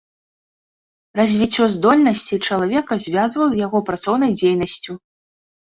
Развіццё здольнасцей чалавека звязваў з яго працоўнай дзейнасцю.